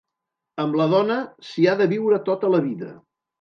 Amb la dona, s'hi ha de viure tota la vida